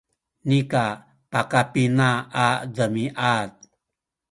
nika pakapina a demiad